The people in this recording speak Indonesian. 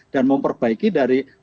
dan memperbaiki dari